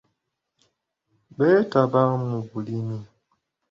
Beetaba mu bulimi.